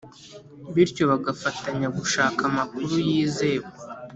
bityo bagafatanya gushaka amakuru yizewe